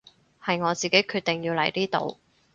係我自己決定要嚟呢度